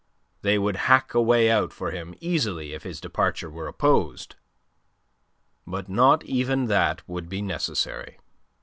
They would hack a way out for him easily if his departure were opposed. But not even that would be necessary.